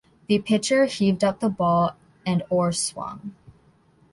The pitcher heaved up the ball and Orr swung.